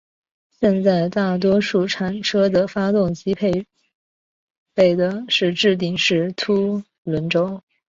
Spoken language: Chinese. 现在大多数量产车的发动机配备的是顶置式凸轮轴。